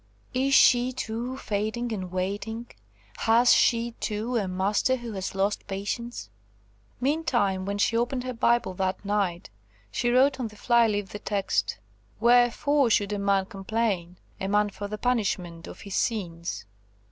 Is she, too, fading and waiting? Has she, too, a master who has lost patience?" Meantime, when she opened her Bible that night, she wrote on the fly leaf the text, "Wherefore should a man complain, a man for the punishment of his sins?"